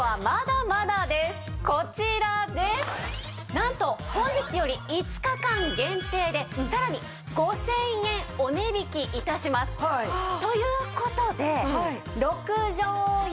なんと本日より５日間限定でさらに５０００円お値引き致します。という事で６畳用は。